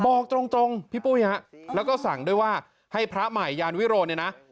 บอกตรงพี่ปุ้ยฮะแล้วก็สั่งด้วยว่าให้พระใหม่ยานวิโรเนี่ยนะ